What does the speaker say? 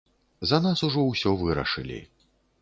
За нас ужо ўсё вырашылі.